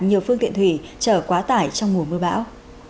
nhiều phương tiện thủy chở quá tải trong mùa mưa bão